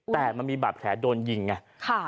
แต่มันมีบาดแผลโดนยิงไง